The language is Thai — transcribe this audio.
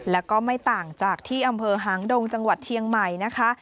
และก็ไม่ต่างจากที่อำเภอหางดงจังหวัดเชียงใหม่นะคะ